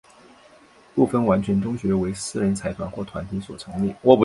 部分完全中学为私人财团或团体所成立。